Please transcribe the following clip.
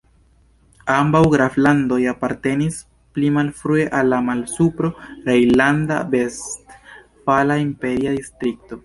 Ambaŭ graflandoj apartenis pli malfrue al la Malsupro-Rejnlanda-Vestfala Imperia Distrikto.